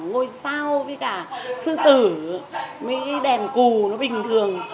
ngôi sao với cả sư tử mấy cái đèn cù nó bình thường